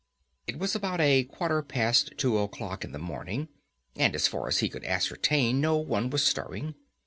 It was about a quarter past two o'clock in the morning, and, as far as he could ascertain, no one was stirring.